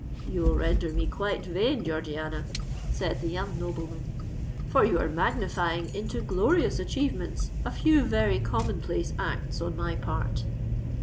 "You will render me quite vain, Georgiana," said the young nobleman; "for you are magnifying into glorious achievements a few very common place acts on my part."